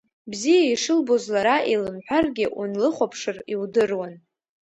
Бзиа ишылбоз лара илымҳәаргьы, унлыхәаԥшыр, иудыруан…